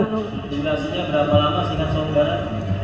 video yang tayang berapa lama sih kan seumuran